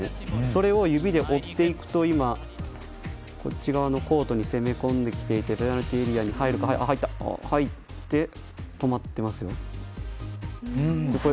それを指で追っていくと今、こっち側のコートに攻め込んでいてペナルティーエリアに入って止まっていますよ。